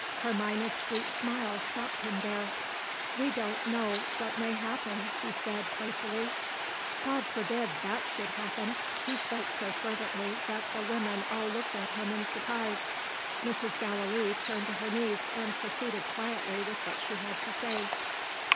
Carmina's sweet smile stopped him there. "We don't know what may happen," she said, playfully. "God forbid that should happen!" He spoke so fervently that the women all looked at him in surprise. Mrs. Gallilee turned to her niece, and proceeded quietly with what she had to say.